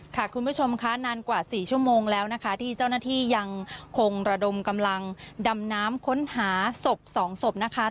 คุณผู้ชมค่ะนานกว่า๔ชั่วโมงแล้วนะคะที่เจ้าหน้าที่ยังคงระดมกำลังดำน้ำค้นหาศพสองศพนะคะ